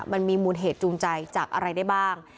มันมีมูลเหตุจูงใจจากอะไรได้บ้าง